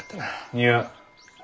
いや。